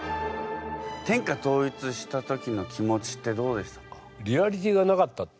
天下統一した時の気持ちってどうでしたか？